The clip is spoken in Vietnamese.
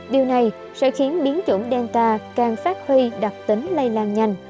điều này sẽ khiến biến chủng delta càng phát huy đặc tính lây lan nhanh